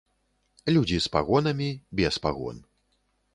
Людзі з пагонамі, без пагон.